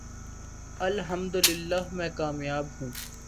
الحمدللہ میں کامیاب ہوں۔